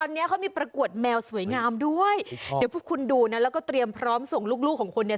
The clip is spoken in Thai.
ตอนนี้เขามีประกวดแมวสวยงามด้วยเดี๋ยวพวกคุณดูนะแล้วก็เตรียมพร้อมส่งลูกลูกของคุณเนี่ย